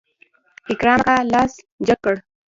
اکرم اکا لاس جګ کړ.